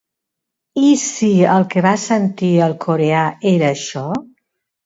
I si el que va sentir el coreà era això?